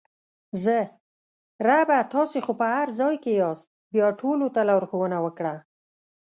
زه: ربه تاسې خو په هر ځای کې یاست بیا ټولو ته لارښوونه وکړه!